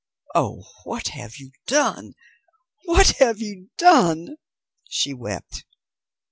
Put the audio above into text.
"Oh, what have you done, what have you done?" she wept.